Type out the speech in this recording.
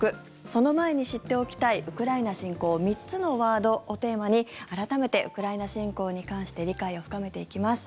その前に知っておきたいウクライナ侵攻３つのワードをテーマに改めて、ウクライナ侵攻に関して理解を深めていきます。